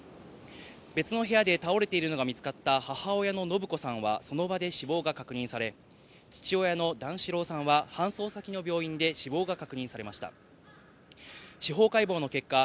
別の部屋で倒れているのが見つかった母親の延子さんはその場で死亡が確認され、父親の段四郎さんは搬送先の病院で死亡が確認されました。